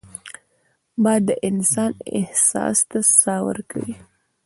باد د انسان احساس ته ساه ورکوي